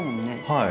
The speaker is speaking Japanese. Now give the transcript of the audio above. はい。